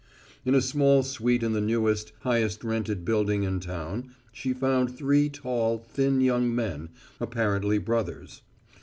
In a small suite in the newest, highest rented building in town, she found three tall, thin young men, apparently brothers.